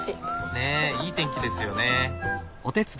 ねえいい天気ですよね。